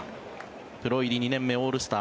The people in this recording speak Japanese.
プロ入り２年目オールスター